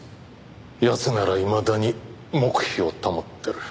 奴ならいまだに黙秘を保ってる。